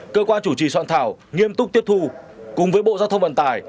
cơ quan chủ trì soạn thảo nghiêm túc tiếp thu cùng với bộ giao thông vận tải